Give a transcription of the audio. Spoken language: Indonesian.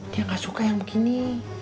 dia gak suka yang begini